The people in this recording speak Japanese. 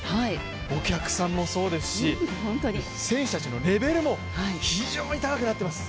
お客さんもそうですし選手たちのレベルも非常に高くなっています。